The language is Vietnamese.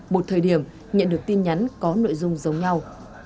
một thời điểm nhận được tin nhắn có nội dung giống nhau